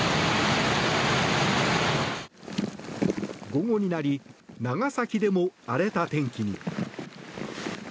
午後になり長崎でも荒れた天気に。